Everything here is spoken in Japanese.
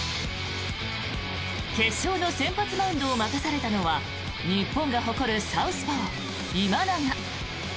決勝の先発マウンドを任されたのは日本が誇るサウスポー、今永。